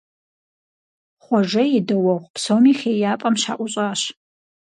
Хъуэжэ и дэуэгъу псоми хеяпӏэм щаӀущӀащ.